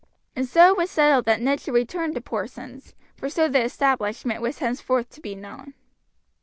And so it was settled that Ned should return to Porson's, for so the establishment was henceforth to be known.